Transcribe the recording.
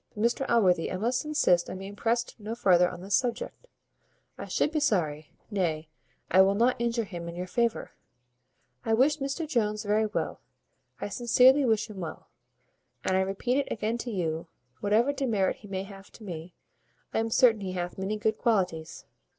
Mr Allworthy, I must insist on being pressed no farther on this subject. I should be sorry nay, I will not injure him in your favour. I wish Mr Jones very well. I sincerely wish him well; and I repeat it again to you, whatever demerit he may have to me, I am certain he hath many good qualities.